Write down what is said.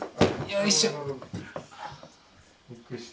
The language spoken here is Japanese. よいしょ。